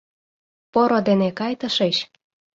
Поро дене кай тышеч!